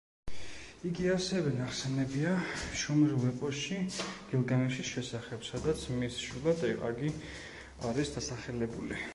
იგი ასევე ნახსენებია შუმერულ ეპოსში გილგამეშის შესახებ, სადაც მის შვილად აგი არის დასახელებული.